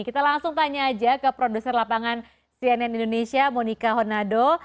kita langsung tanya aja ke produser lapangan cnn indonesia monika honado